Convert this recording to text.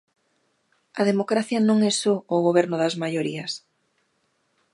A democracia non é só o goberno das maiorías.